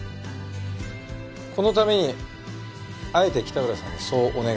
このためにあえて北浦さんにそうお願いしました。